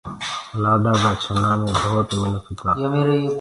گھوٽو ڇنآ مي ڀوت منک تآ